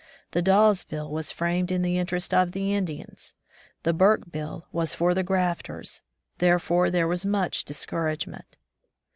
The Dawes bill was framed in the interest of the Indians; the Burke bill was for the grafters. Therefore there was much discouragement.